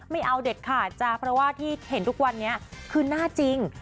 ไม่เอาเด็ดขาดจ้ะเพราะว่าที่เห็นทุกวันนี้คือหน้าจริง